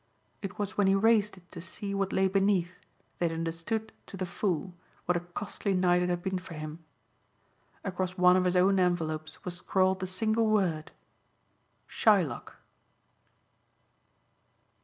It was when he raised it to see what lay beneath that he understood to the full what a costly night it had been for him. Across one of his own envelopes was scrawled the single word Shylock.